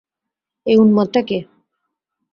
এই উন্মাদটা কে?